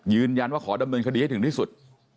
ยืนยันว่าขอดำเนินคดีให้ถึงที่สุด